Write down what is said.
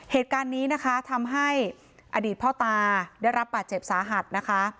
เหตุการณ์นี้นะคะทำให้อดีตพ่อตาได้รับบาดเจ็บสาหัสนะคะ